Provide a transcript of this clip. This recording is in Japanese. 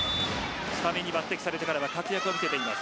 スタメンに抜てきされてから活躍を見せています。